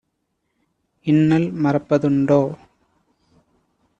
இன்னல் மறப்ப துண்டோ?"